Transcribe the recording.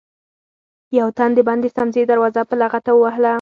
يو تن د بندې سمڅې دروازه په لغته ووهله.